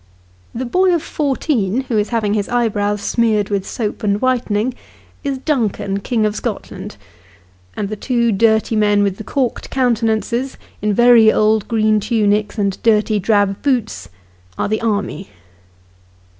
The boy of fourteen who is having his eyebrows smeared with soap and whitening, is Duncan, King of Scotland ; and the two dirty men with the corked countenances, in very old green tunics, and dirty drab boots, are the " army."